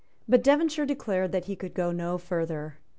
But Devonshire declared that he could go no further.